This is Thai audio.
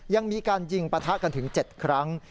ยังมีการยิงปะทะกันถึง๗ครั้ง